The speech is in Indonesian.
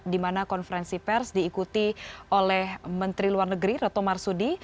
di mana konferensi pers diikuti oleh menteri luar negeri reto marsudi